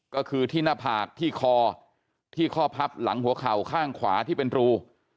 ก็คือที่หน้าผากที่คอที่ข้อพับหลังหัวเข่าข้างขวาที่เป็นรู